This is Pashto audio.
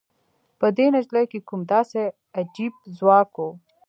په دې نجلۍ کې کوم داسې عجيب ځواک و؟